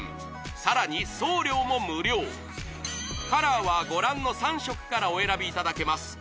さらに送料も無料カラーはご覧の３色からお選びいただけます